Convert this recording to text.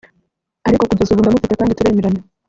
Ariko kugeza ubu ndamufite kandi turemerana